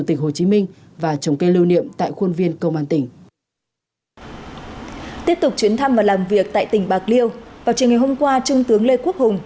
tiếp tục chuyến thăm và làm việc tại tỉnh bạc liêu vào chiều ngày hôm qua trung tướng lê quốc hùng